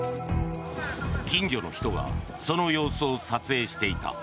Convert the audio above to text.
近所の人がその様子を撮影していた。